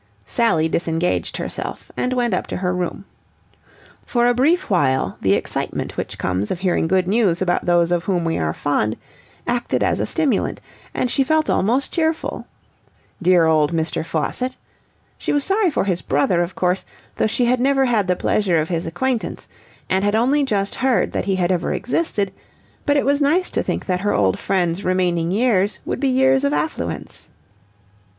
Sally disengaged herself, and went up to her room. For a brief while the excitement which comes of hearing good news about those of whom we are fond acted as a stimulant, and she felt almost cheerful. Dear old Mr. Faucitt. She was sorry for his brother, of course, though she had never had the pleasure of his acquaintance and had only just heard that he had ever existed; but it was nice to think that her old friend's remaining years would be years of affluence.